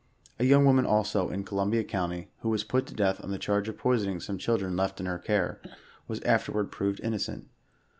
A young woman also, in Columbia county, who was put to death on the charge of poisoning some children left in her cate, was afterward proved innocent.